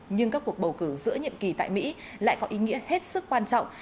nhưng các cuộc bầu cử giữa nhiệm kỳ tại mỹ lại có ý nghĩa hết sức quan trọng